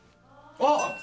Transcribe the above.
あっ。